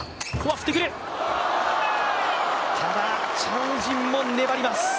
チャン・ウジンも粘ります。